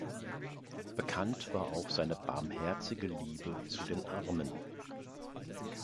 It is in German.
Bekannt war auch seine barmherzige Liebe zu den Armen.